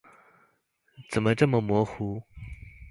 怎么这么模糊？